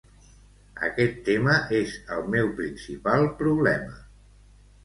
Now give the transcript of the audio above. Aquest tema és el meu principal problema.